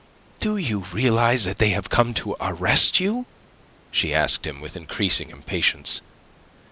"Do you realize that they have come to arrest you?" she asked him, with increasing impatience.